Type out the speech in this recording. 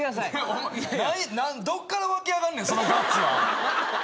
お前どっから湧き上がんねんそのガッツは。